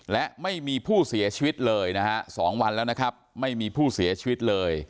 และไม่มีผู้เสียชีวิตเลยนะฮะ๒วันแล้วนะครับไม่มีผู้เสียชีวิตเลย